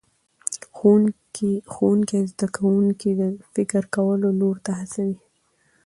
ښوونکی زده کوونکي د فکر کولو لور ته هڅوي